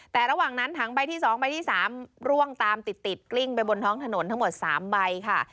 แต่ระหว่างนั้นถังใบที่๒ใบที่๓ร่วงตามติดกลิ้งไปบนท้องถนนทั้งหมด๓ใบค่ะ